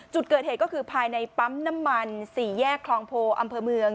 จุดเกิดเหตุก็คือภายในปั๊มน้ำมัน๔แยกคลองโพอำเภอเมือง